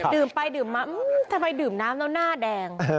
ดื่มไปดื่มมาทำไมดื่มน้ำแล้วหน้าแดง